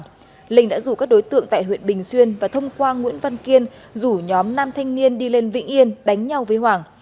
trước linh đã rủ các đối tượng tại huyện bình xuyên và thông qua nguyễn văn kiên rủ nhóm nam thanh niên đi lên vĩnh yên đánh nhau với hoàng